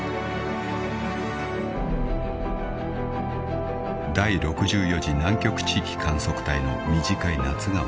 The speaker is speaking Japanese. ［第６４次南極地域観測隊の短い夏が終わる］